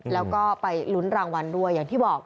แล้วก็ไปลุ้นรางวัลด้วยอย่างที่บอก